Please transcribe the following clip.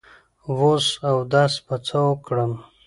وس اودس په څۀ وکړم